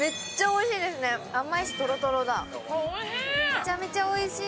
めちゃめちゃおいしい。